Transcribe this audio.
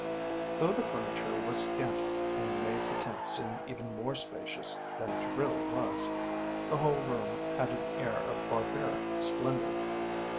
Though the furniture was scanty and made the tent seem even more spacious than it really was, the whole room had an air of barbaric splendour.